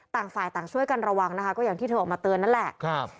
ต่างฝ่ายต่างช่วยกันระวังนะคะก็อย่างที่เธอออกมาเตือนนั่นแหละ